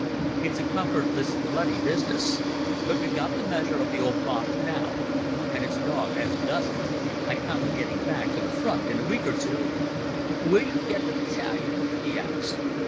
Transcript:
It's a comfortless, bloody business. But we've got the measure of the old Boche now, and it's dogged as does it. I count on getting back to the front in a week or two." "Will you get the battalion?" he asked.